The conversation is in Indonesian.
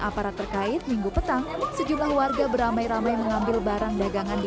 aparat terkait minggu petang sejumlah warga beramai ramai mengambil barang dagangan di